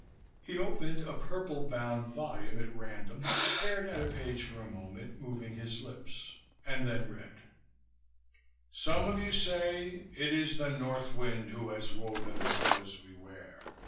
He opened a purple bound volume at random, stared at a page for a moment, moving his lips, and then read: "Some of you say, 'It is the north wind who has woven the clothes we wear.'